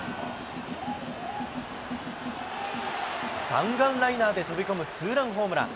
弾丸ライナーで飛び込むツーランホームラン。